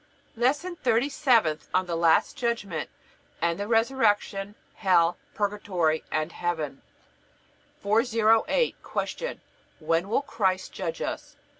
LESSON THIRTY SEVENTH ON THE LAST JUDGMENT AND THE RESURRECTION, HELL, PURGATORY, AND HEAVEN 408. Q. When will Christ judge us?